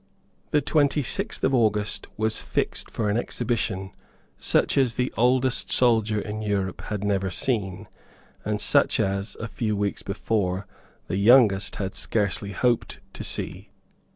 The twenty sixth of August was fixed for an exhibition such as the oldest soldier in Europe had never seen, and such as, a few weeks before, the youngest had scarcely hoped to see.